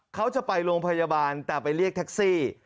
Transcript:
เขาจะไปโรงพยาบาลแต่ไปเรียกแท็กซี่